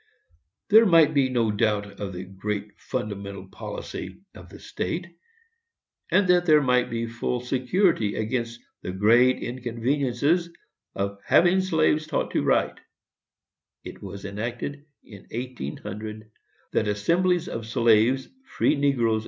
] That there might be no doubt of the "great and fundamental policy" of the state, and that there might be full security against the "great inconveniences" of "having of slaves taught to write," it was enacted, in 1800, "That assemblies of slaves, free negroes, &c.